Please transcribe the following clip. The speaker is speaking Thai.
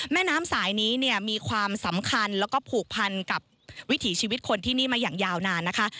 แม่น้ำสายนี้เนี่ยมีความสำคัญแล้วก็ผูกพันกับวิถีชีวิตคนที่นี่มาอย่างยาวนานนะคะ